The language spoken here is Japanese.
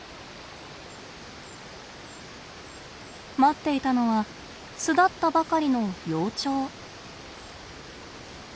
待っていたのは巣立ったばかりの幼鳥。